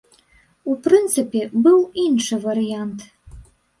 У прынцыпе, быў іншы варыянт.